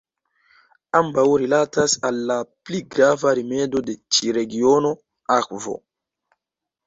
Ambaŭ rilatas al la pli grava rimedo de ĉi regiono: akvo.